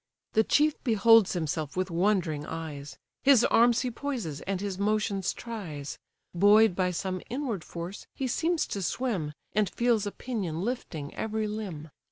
The chief beholds himself with wondering eyes; His arms he poises, and his motions tries; Buoy'd by some inward force, he seems to swim, And feels a pinion lifting every limb.